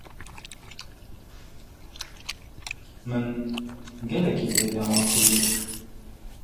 Min gelekî bêriya wan kiriye.